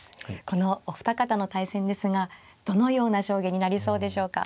このお二方の対戦ですがどのような将棋になりそうでしょうか。